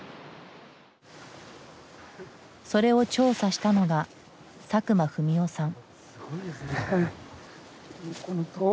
それを調査したのが佐久間文夫さん。